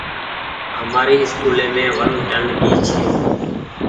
همآر اسڪولي مين وڻ ٽيئڻ ڀي ڇي۔